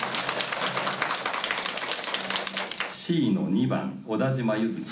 Ｃの２番小田島優月さん。